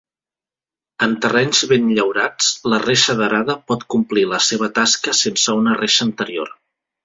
En terrenys ben llaurats, la reixa d'arada pot complir la seva tasca sense una reixa anterior.